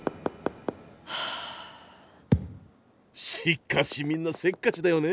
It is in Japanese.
しかしみんなせっかちだよね。